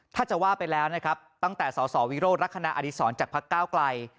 ถ้าจะว่าไปแล้วนะครับตั้งแต่สสวิโรธลักษณะอดีศรจากพักก้าวไกล